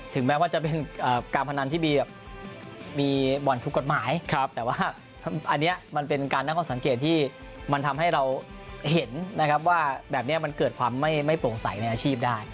แม้ว่าจะเป็นการพนันที่มีแบบมีบ่อนทุกกฎหมายแต่ว่าอันนี้มันเป็นการตั้งข้อสังเกตที่มันทำให้เราเห็นนะครับว่าแบบนี้มันเกิดความไม่โปร่งใสในอาชีพได้